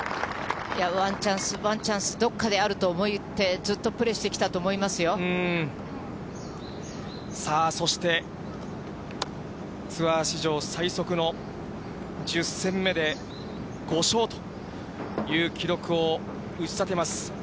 ワンチャンス、ワンチャンス、どっかであると思って、ずっとプレーしてきたと思さあ、そしてツアー史上、最速の１０戦目で５勝という記録を打ち立てます。